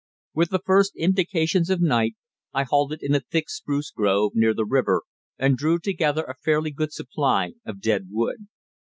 With the first indications of night, I halted in a thick spruce grove near the river and drew together a fairly good supply of dead wood.